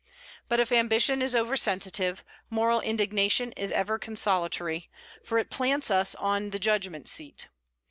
But if ambition is oversensitive, moral indignation is ever consolatory, for it plants us on the Judgement Seat.